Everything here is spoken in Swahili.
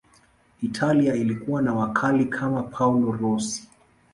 italia ilikuwa na wakali kama paolo rossi